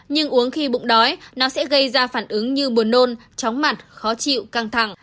nhưng uống khi bụng đói nó sẽ gây ra phản ứng như buồn nôn chóng mặt khó chịu căng thẳng